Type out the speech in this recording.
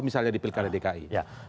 misalnya di pilkali dki